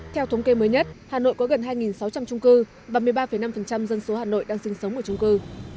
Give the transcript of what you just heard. theo thống kê mới nhất hà nội có gần hai sáu trăm linh trung cư và một mươi ba năm dân số hà nội đang sinh sống ở trung cư